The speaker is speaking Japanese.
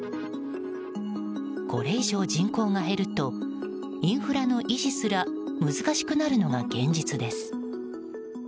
これ以上人口が減るとインフラの維持すら難しくなるのが現実です。